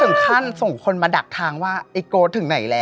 ส่งคนมาดักทางว่าไอ้โก๊สถึงไหนแล้ว